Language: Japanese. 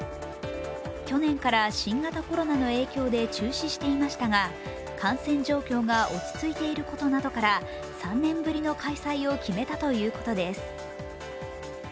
去年から新型コロナの影響で中止していましたが、感染状況が落ち着いていることなどから３年ぶりの開催を決めたということですす。